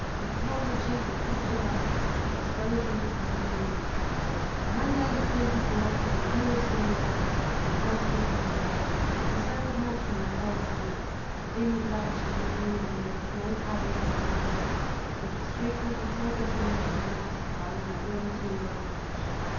He told the chief that captured us, to dispose of us as he pleased. Monday, the 24th, it blew a strong gale, with constant hard rain; we suffered much from the cold and wet, being obliged to remain on deck with no covering but an old mat, which was frequently taken from us in the night by the Ladrones who were on watch.